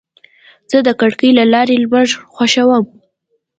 زه د کړکۍ له لارې لمر خوښوم.